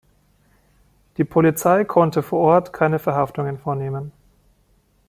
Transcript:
Die Polizei konnte vor Ort keine Verhaftungen vornehmen.